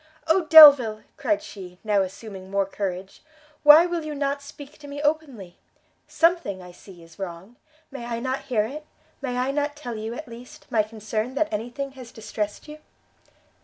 "Oh Delvile!" cried she, now assuming more courage, "why will you not speak to me openly? something, I see, is wrong; may I not hear it? may I not tell you, at least, my concern that any thing has distressed you?"